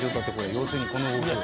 「要するにこの動きで」